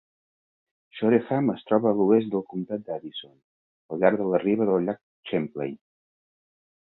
Shoreham es troba a l'oest del comtat d'Addison, al llarg de la riba del llac Champlain.